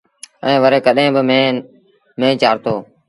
ائيٚݩ وري ڪڏهيݩ ميݩهݩ با چآرتو۔